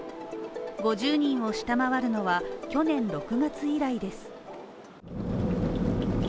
５０人を下回るのは去年の９月以来です。